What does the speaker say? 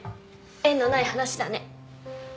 縁のない話だね。